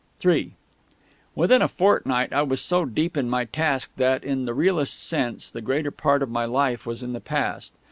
III Within a fortnight I was so deep in my task that, in the realest sense, the greater part of my life was in the past.